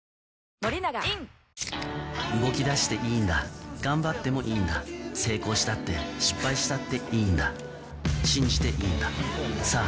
プシュ動き出していいんだ頑張ってもいいんだ成功したって失敗したっていいんだ信じていいんださぁ